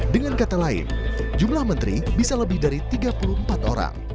dengan kata lain jumlah menteri bisa lebih dari tiga puluh empat orang